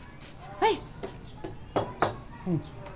はい。